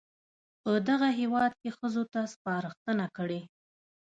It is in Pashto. په دغه هېواد کې ښځو ته سپارښتنه کړې